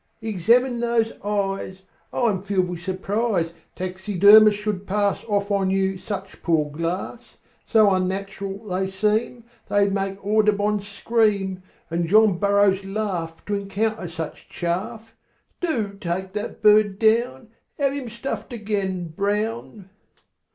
"Examine those eyes. I'm filled with surprise Taxidermists should pass Off on you such poor glass; So unnatural they seem They'd make Audubon scream, And John Burroughs laugh To encounter such chaff. Do take that bird down; Have him stuffed again, Brown!"